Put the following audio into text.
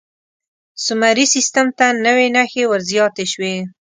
سومري سیستم ته نوې نښې ور زیاتې شوې.